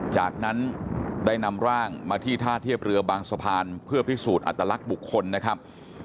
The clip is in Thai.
จากนั้นได้นำร่างมาที่ท่าเทียบเรือบางสะพานเพื่อพิสูจน์อัตลักษณ์บุคคลนะครับ